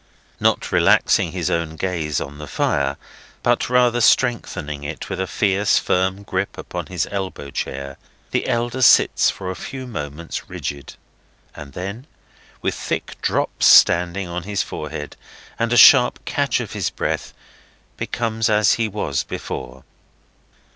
Not relaxing his own gaze on the fire, but rather strengthening it with a fierce, firm grip upon his elbow chair, the elder sits for a few moments rigid, and then, with thick drops standing on his forehead, and a sharp catch of his breath, becomes as he was before.